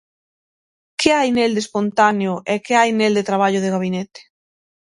Que hai nel de espontáneo e que hai nel de traballo de gabinete?